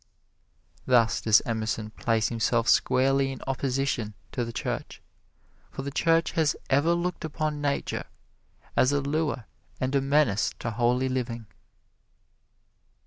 Thus does Emerson place himself squarely in opposition to the Church, for the Church has ever looked upon Nature as a lure and a menace to holy living.